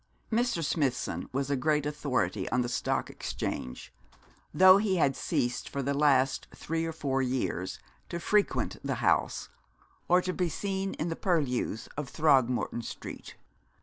Mr. Smithson was a great authority on the Stock Exchange, though he had ceased for the last three or four years to frequent the 'House,' or to be seen in the purlieus of Throgmorton Street.